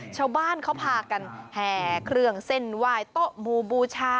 ชาวบ้านเขาพากันแห่เครื่องเส้นไหว้โต๊ะบูบูชา